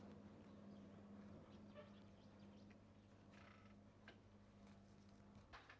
menjadi kemampuan anda